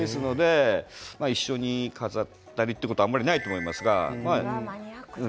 一緒に飾ったりということはあまりないと思いますが。